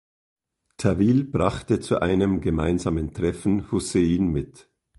Tawil brachte zu einem gemeinsamen Treffen Hussein mit.